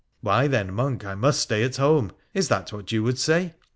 Why then, monk, I must stay at home. Is that what you would say